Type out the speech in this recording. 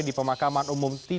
di pemakaman umum